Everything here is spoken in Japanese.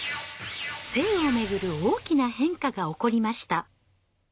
性を巡る大きな変化が起こりました。